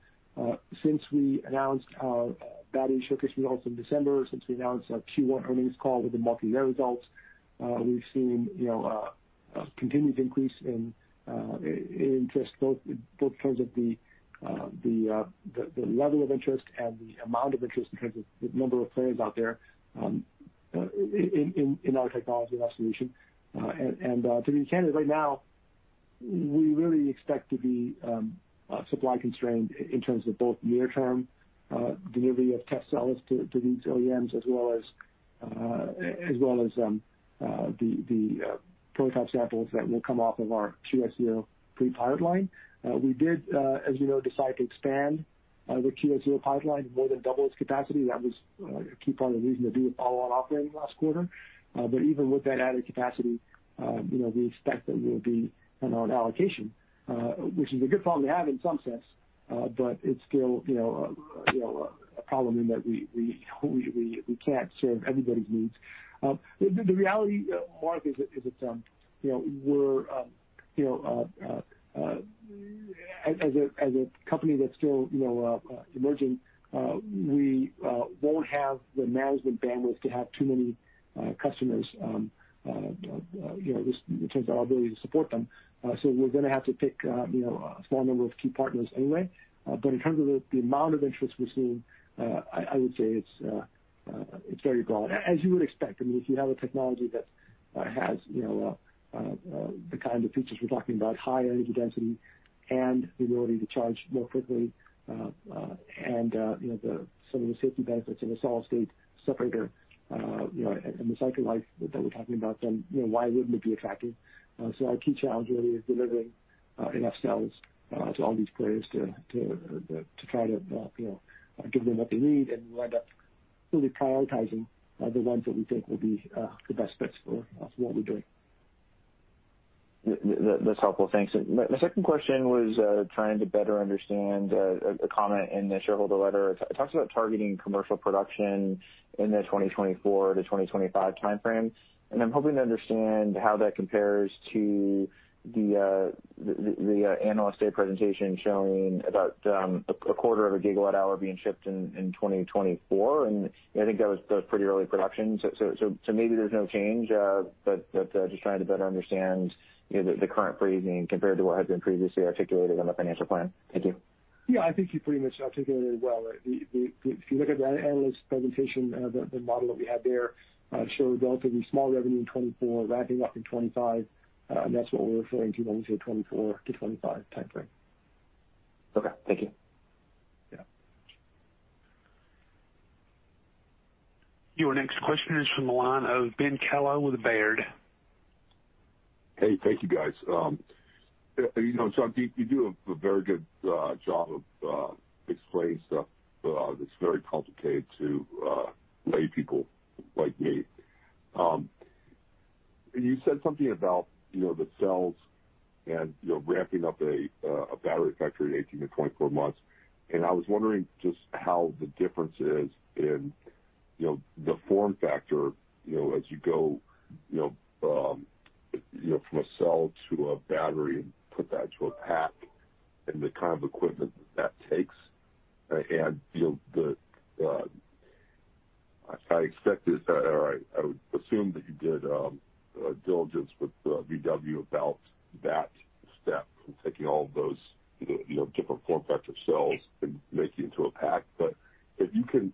Since we announced our battery showcase results in December, since we announced our Q1 earnings call with the multi-year results, we've seen continued increase in interest, both in terms of the level of interest and the amount of interest in terms of the number of players out there in our technology and our solution. To be candid, right now, we really expect to be supply constrained in terms of both near term delivery of test cells to these OEMs as well as the prototype samples that will come off of our QS-0 pre-pilot line. We did, as you know, decide to expand the QS-0 pre-pilot line, more than double its capacity. That was a key part of the reason to do the follow-on offering last quarter. Even with that added capacity, we expect that we'll be on allocation, which is a good problem to have in some sense. It's still a problem in that we can't serve everybody's needs. The reality, Mark Delaney, is that as a company that's still emerging, we won't have the management bandwidth to have too many customers in terms of our ability to support them. We're going to have to pick a small number of key partners anyway. In terms of the amount of interest we're seeing, I would say it's very broad, as you would expect. If you have a technology that has the kind of features we're talking about, high energy density and the ability to charge more quickly, and some of the safety benefits of a solid-state separator, and the cycle life that we're talking about, then why wouldn't it be attractive? Our key challenge really is delivering enough cells to all these players to try to give them what they need and wind up really prioritizing the ones that we think will be the best fits for what we're doing. That's helpful. Thanks. My second question was trying to better understand a comment in the shareholder letter. It talks about targeting commercial production in the 2024 to 2025 timeframe, and I'm hoping to understand how that compares to the analyst day presentation showing about a quarter of a GWh being shipped in 2024, and I think that was pretty early production. Maybe there's no change, but just trying to better understand the current phrasing compared to what had been previously articulated on the financial plan. Thank you. Yeah, I think you pretty much articulated it well. If you look at the analyst presentation, the model that we had there showed relatively small revenue in 2024, ramping up in 2025, and that's what we're referring to when we say 2024-2025 timeframe. Okay. Thank you. Yeah. Your next question is from the line of Ben Kallo with Baird. Thank you, guys. Jagdeep, you do a very good job of explaining stuff that's very complicated to lay people like me. You said something about the cells and ramping up a battery factory in 18-24 months. I was wondering just how the difference is in the form factor as you go from a cell to a battery and put that to a pack, and the kind of equipment that takes. I expect it, or I would assume that you did due diligence with VW about that step in taking all of those different form factor cells and making into a pack. If you can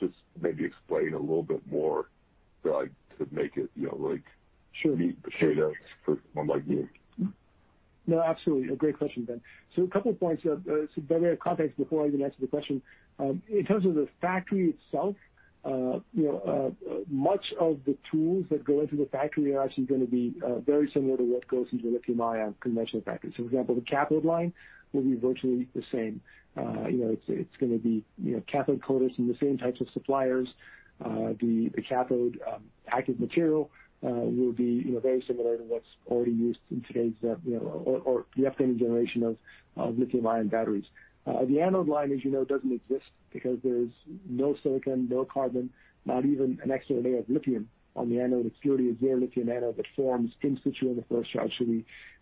just maybe explain a little bit more to make it. Sure meat potatoes for someone like me. No, absolutely. A great question, Ben. A couple points. By way of context, before I even answer the question, in terms of the factory itself, much of the tools that go into the factory are actually going to be very similar to what goes into the lithium-ion conventional factory. For example, the cathode line will be virtually the same. It's going to be cathode coaters from the same types of suppliers. The cathode active material will be very similar to what's already used in today's, or the upcoming generation of lithium-ion batteries. The anode line, as you know, doesn't exist because there's no silicon, no carbon, not even an extra layer of lithium on the anode. It's purely a bare lithium anode that forms in situ in the first charge.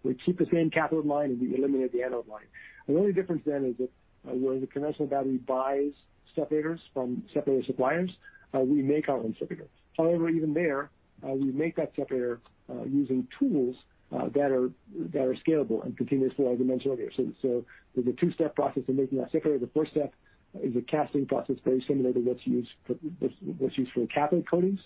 We keep the same cathode line and we eliminate the anode line. The only difference then is that where the conventional battery buys separators from separator suppliers, we make our own separators. However, even there, we make that separator using tools that are scalable and continuous flow, as I mentioned earlier. There's a two-step process in making that separator. The first step is a casting process very similar to what's used for the cathode coatings.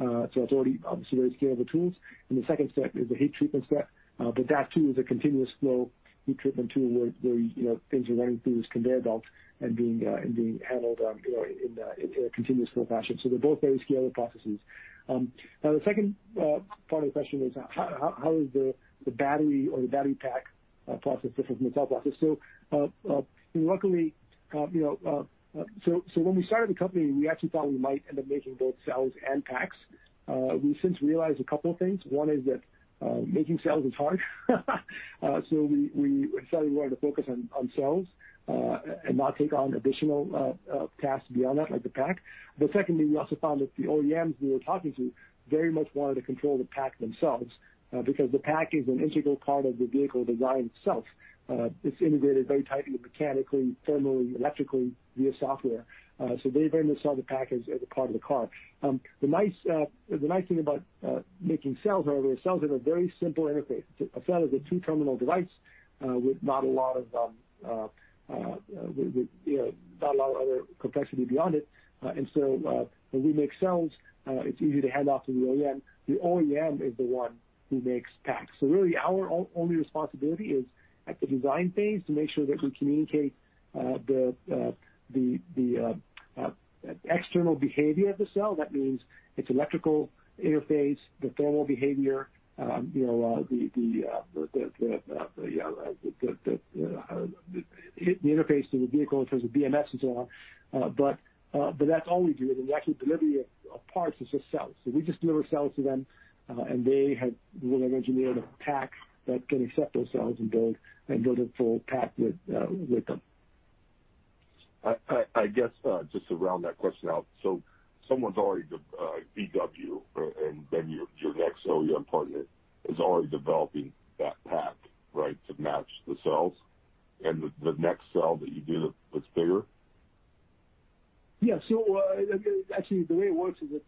It's already obviously very scalable tools. The second step is the heat treatment step. That too is a continuous flow heat treatment tool where things are running through this conveyor belt and being handled in a continuous flow fashion. They're both very scalable processes. The second part of the question is how is the battery or the battery pack process different from the cell process? Luckily, when we started the company, we actually thought we might end up making both cells and packs. We since realized a couple of things. One is that making cells is hard. We decided we wanted to focus on cells, and not take on additional tasks beyond that, like the pack. Secondly, we also found that the OEMs we were talking to very much wanted to control the pack themselves, because the pack is an integral part of the vehicle design itself. It's integrated very tightly mechanically, thermally, electrically via software. They very much saw the pack as a part of the car. The nice thing about making cells, however, cells have a very simple interface. A cell is a two-terminal device with not a lot of other complexity beyond it. When we make cells, it's easy to hand off to the OEM. The OEM is the one who makes packs. Really, our only responsibility is at the design phase to make sure that we communicate the external behavior of the cell. That means its electrical interface, the thermal behavior the interface to the vehicle in terms of BMS and so on. That's all we do. Actually, delivery of parts is just cells. We just deliver cells to them, and they will have engineered a pack that can accept those cells and build a full pack with them. I guess, just to round that question out. Someone's already, VW, and then your next OEM partner is already developing that pack, right? To match the cells. The next cell that you do that's bigger- Yeah. Actually, the way it works is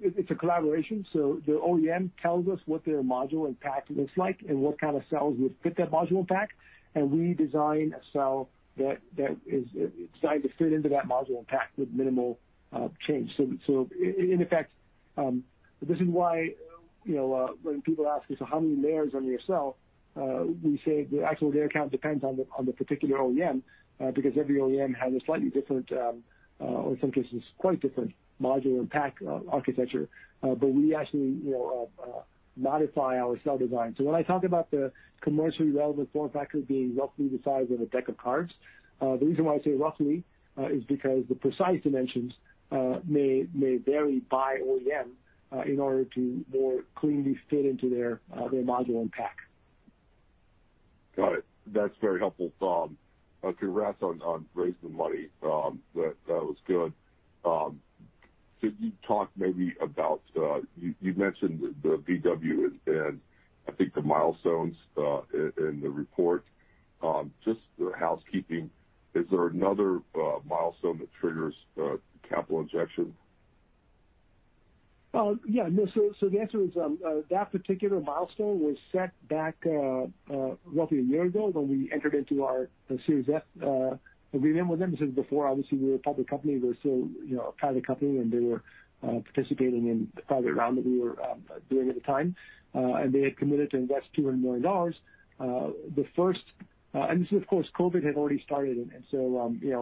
it's a collaboration. The OEM tells us what their module and pack looks like and what kind of cells would fit that module and pack, and we design a cell that is designed to fit into that module and pack with minimal change. In effect, this is why when people ask us how many layers are on your cell, we say the actual layer count depends on the particular OEM, because every OEM has a slightly different, or in some cases, quite different module and pack architecture. We actually modify our cell design. When I talk about the commercially relevant form factor being roughly the size of a deck of cards, the reason why I say roughly is because the precise dimensions may vary by OEM in order to more cleanly fit into their module and pack. Got it. That's very helpful. Congrats on raising the money. That was good. Could you talk maybe about, you mentioned the VW and I think the milestones in the report. Just housekeeping, is there another milestone that triggers capital injection? Yeah, no. The answer is, that particular milestone was set back roughly a year ago when we entered into our Series F agreement with them. This is before, obviously, we were a public company. We were still a private company, and they were participating in a private round that we were doing at the time. They had committed to invest $200 million. This, of course, COVID had already started, and the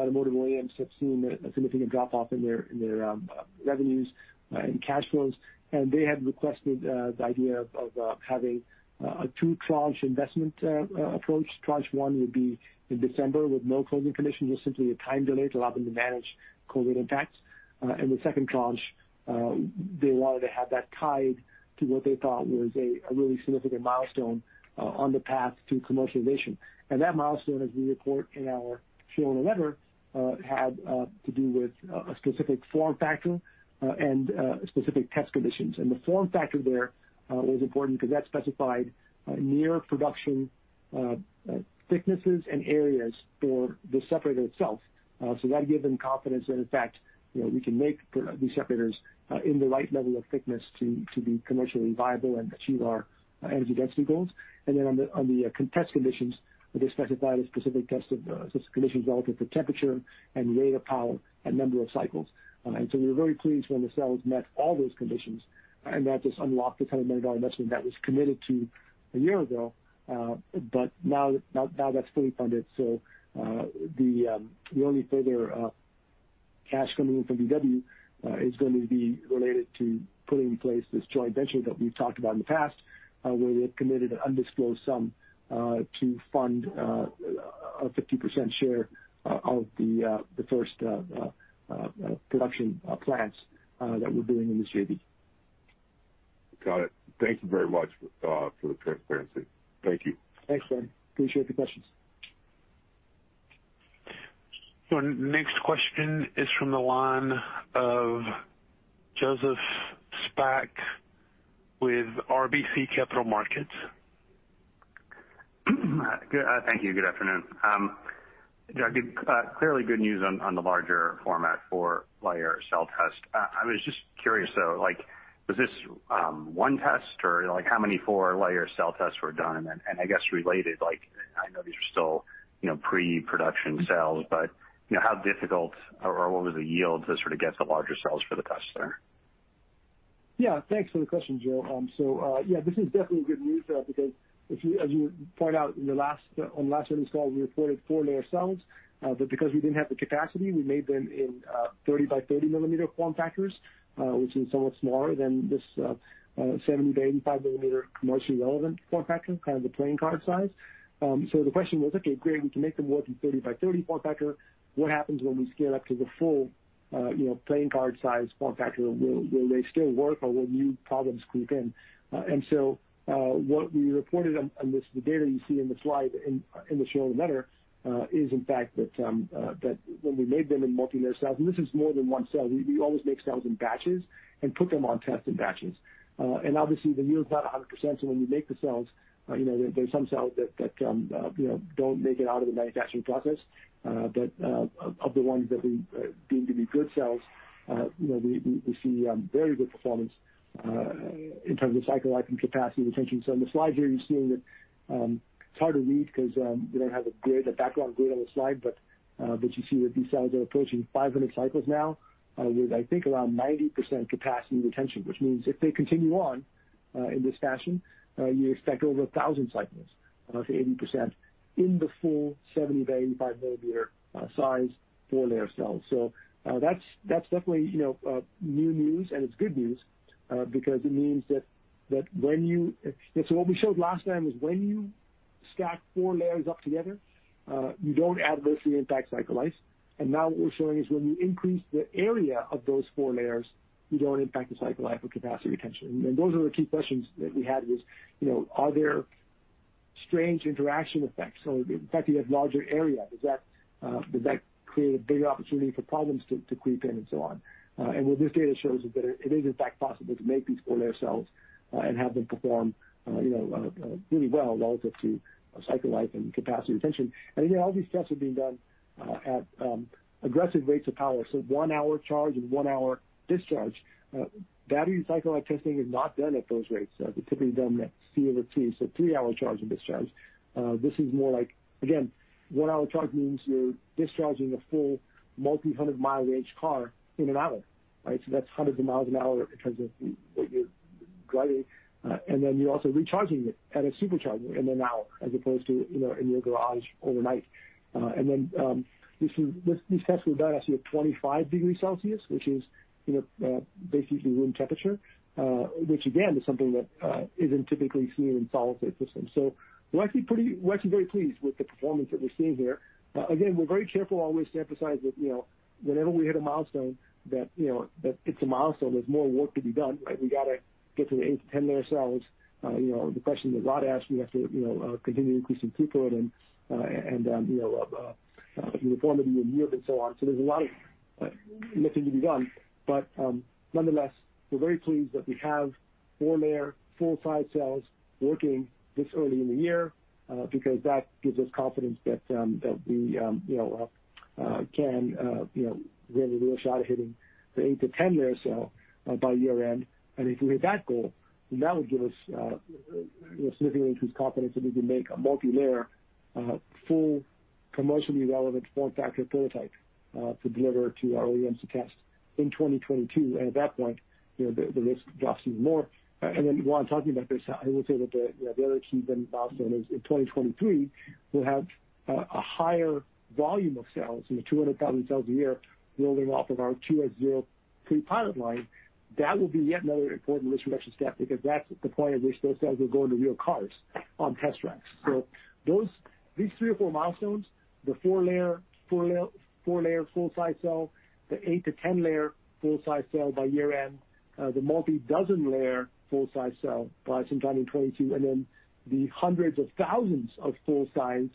automotive OEMs have seen a significant drop-off in their revenues and cash flows. They had requested the idea of having a two-tranche investment approach. Tranche one would be in December with no closing conditions, just simply a time delay to allow them to manage COVID impacts. The second tranche, they wanted to have that tied to what they thought was a really significant milestone on the path to commercialization. That milestone, as we report in our shareholder letter, had to do with a specific form factor and specific test conditions. The form factor there was important because that specified near production thicknesses and areas for the separator itself. That gave them confidence that, in fact, we can make these separators in the right level of thickness to be commercially viable and achieve our energy density goals. On the test conditions, they specified a specific test of conditions relevant for temperature and rate of power and number of cycles. We were very pleased when the cells met all those conditions, and that just unlocked the $200 million investment that was committed to a year ago. Now that's fully funded. The only further cash coming in from VW is going to be related to putting in place this joint venture that we've talked about in the past, where they've committed an undisclosed sum to fund a 50% share of the first production plants that we're doing in this JV. Got it. Thank you very much for the transparency. Thank you. Thanks, Ben. Appreciate the questions. Next question is from the line of Joseph Spak with RBC Capital Markets. Thank you. Good afternoon. Jagdeep, clearly good news on the larger format four-layer cell test. I was just curious, though, was this one test or how many four-layer cell tests were done? I guess related, I know these are still pre-production cells, but how difficult or what was the yield to sort of get the larger cells for the test there? Thanks for the question, Joe. This is definitely good news because as you point out, on the last earnings call, we reported four-layer cells. Because we didn't have the capacity, we made them in 30 by 30 millimeter form factors, which is somewhat smaller than this 70-85 millimeter commercially relevant form factor, kind of the playing card size. The question was, okay, great, we can make them work in 30 by 30 form factor. What happens when we scale up to the full playing card size form factor? Will they still work, or will new problems creep in? What we reported on the data you see in the slide in the shareholder letter is, in fact, that when we made them in multi-layer cells, and this is more than one cell. We always make cells in batches and put them on tests in batches. Obviously, the yield's not 100%. When you make the cells, there's some cells that don't make it out of the manufacturing process. Of the ones that we deem to be good cells, we see very good performance in terms of cycle life and capacity retention. On the slide here, you're seeing that it's hard to read because we don't have a background grid on the slide, but you see that these cells are approaching 500 cycles now with, I think, around 90% capacity retention, which means if they continue on in this fashion, you expect over 1,000 cycles to 80% in the full 70-85 millimeter size four-layer cells. That's definitely new news, and it's good news because it means that what we showed last time is when you stack four layers up together, you don't adversely impact cycle life. Now what we're showing is when you increase the area of those four layers, you don't impact the cycle life or capacity retention. Those are the key questions that we had was, are there strange interaction effects. The fact that you have larger area, does that create a bigger opportunity for problems to creep in and so on? What this data shows is that it is in fact possible to make these four-layer cells and have them perform really well relative to cycle life and capacity retention. Again, all these tests are being done at aggressive rates of power, so one-hour charge and one-hour discharge. Battery cycle life testing is not done at those rates. It's typically done at C over 3, so three-hour charge and discharge. This is more like, again, one-hour charge means you're discharging a full multi-hundred-mile range car in an hour, right? That's hundreds of miles an hour in terms of what you're driving. You're also recharging it at a supercharger in an hour as opposed to in your garage overnight. These tests were done actually at 25 degrees Celsius, which is basically room temperature, which again, is something that isn't typically seen in solid-state systems. We're actually very pleased with the performance that we're seeing here. Again, we're very careful always to emphasize that whenever we hit a milestone, that it's a milestone. There's more work to be done, right? We got to get to the eight to 10-layer cells. The question that Rod asked, we have to continue increasing C current and uniformity and yield and so on. There's a lot of lifting to be done. Nonetheless, we're very pleased that we have four-layer full size cells working this early in the year, because that gives us confidence that we can have a real shot at hitting the eight to 10-layer cell by year-end. If we hit that goal, then that would give us significantly increased confidence that we can make a multi-layer, full commercially relevant form factor prototype, to deliver to our OEMs to test in 2022. At that point, the risk drops even more. While I'm talking about this, I will say that the other key benchmark is in 2023, we'll have a higher volume of cells, in the 200,000 cells a year building off of our QS-0 pre-pilot line. That will be yet another important risk reduction step because that's the point at which those cells will go into real cars on test tracks. These three or four milestones, the four-layer full size cell, the eight to 10-layer full size cell by year-end, the multi-dozen layer full size cell by sometime in 2022, and then the hundreds of thousands of full-sized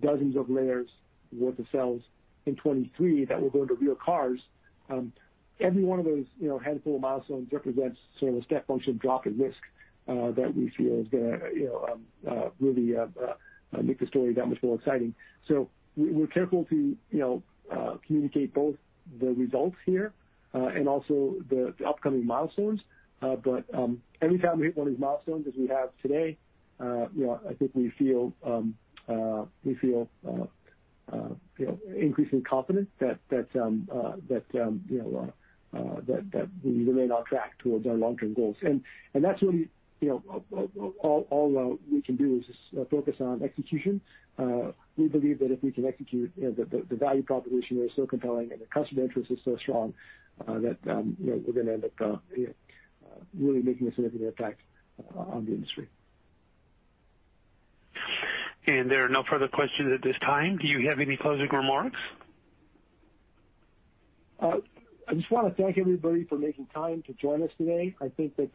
dozens of layers worth of cells in 2023 that will go into real cars. Every one of those handful of milestones represents sort of a step function drop in risk that we feel is going to really make the story that much more exciting. We're careful to communicate both the results here, and also the upcoming milestones. Every time we hit one of these milestones as we have today, I think we feel increasing confidence that we remain on track towards our long-term goals. That's when all we can do is just focus on execution. We believe that if we can execute, the value proposition is so compelling and the customer interest is so strong that we're going to end up really making a significant impact on the industry. There are no further questions at this time. Do you have any closing remarks? I just want to thank everybody for making time to join us today. I think that,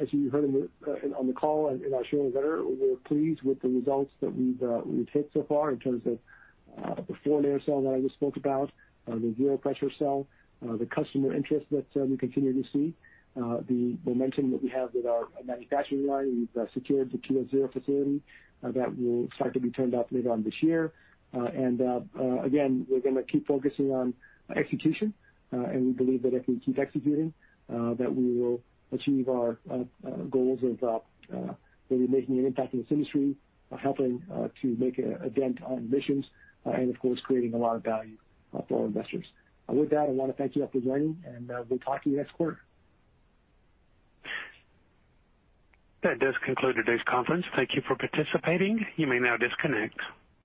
as you heard on the call and I share with that, we're pleased with the results that we've hit so far in terms of the four-layer cell that I just spoke about, the zero pressure cell, the customer interest that we continue to see, the momentum that we have with our manufacturing line. We've secured the QS-0 facility that will start to be turned up later on this year. Again, we're going to keep focusing on execution, and we believe that if we keep executing, that we will achieve our goals of really making an impact in this industry, helping to make a dent on emissions, and of course, creating a lot of value for our investors. With that, I want to thank you all for joining, and we'll talk to you next quarter. That does conclude today's conference. Thank you for participating. You may now disconnect.